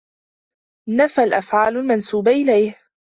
نفى الأفعال المنسوبة إليه.